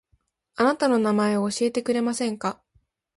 あなたの名前を教えてくれませんか